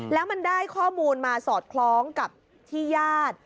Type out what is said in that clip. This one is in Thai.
แล้วมันได้ข้อมูลมาสอดคล้องกับที่ญาติ